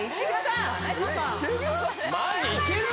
いける？